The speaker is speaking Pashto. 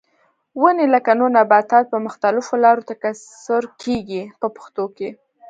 ونې لکه نور نباتات په مختلفو لارو تکثیر کېږي په پښتو کې.